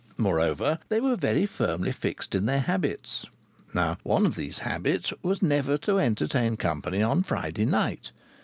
Moreover, they were very firmly fixed in their habits. Now one of these habits was never to entertain company on Friday night.